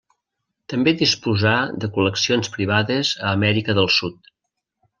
També disposà de col·leccions privades a Amèrica del Sud.